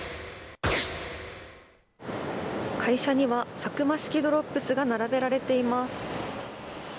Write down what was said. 会社にはサクマ式ドロップスが並べられています。